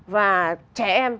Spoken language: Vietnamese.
và trẻ em